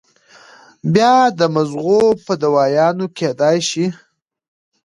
بيا د مزغو پۀ دوايانو کېدے شي